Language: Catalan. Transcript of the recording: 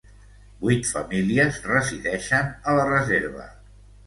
Vuit famílies resideixen a la reserva.